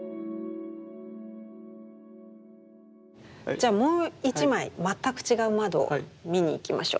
じゃあもう一枚全く違う窓見に行きましょう。